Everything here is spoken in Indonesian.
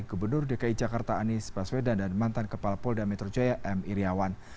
gubernur dki jakarta anies baswedan dan mantan kepala polda metro jaya m iryawan